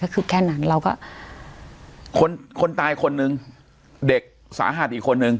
ก็คือแค่นั้นเราก็คนคนตายคนหนึ่งเด็กสาหัสอีกคนนึง